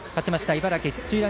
茨城・土浦